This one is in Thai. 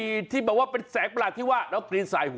ที่แบบว่าเป็นแสงประหลาดที่ว่าน้องกรีนสายหัว